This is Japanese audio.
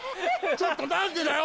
ちょっと何でだよ